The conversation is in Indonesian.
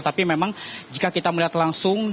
tapi memang jika kita melihat langsung